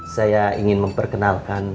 saya ingin memperkenalkan